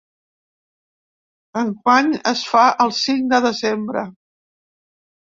Enguany es fa el cinc de desembre.